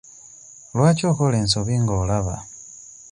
Lwaki okola ensobi ng'olaba?